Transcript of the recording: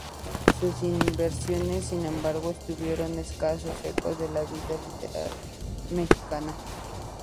Sus intervenciones, sin embargo, tuvieron escaso eco en la vida literaria mexicana.